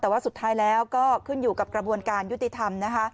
แต่ว่าสุดท้ายแล้วก็ขึ้นอยู่กับกระบวนการยุติธรรมนะคะ